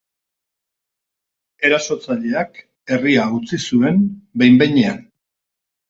Erasotzaileak herria utzi zuen behin-behinean.